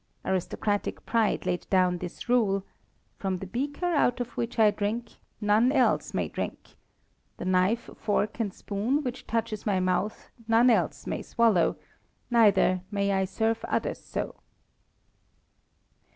Aristocratic pride laid down this rule: "From the beaker out of which I drink none else may drink; the knife, fork, and spoon which touches my mouth none else may swallow neither may I serve others so."